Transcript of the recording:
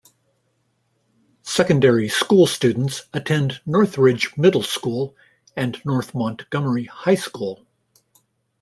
Secondary school students attend Northridge Middle School and North Montgomery High School.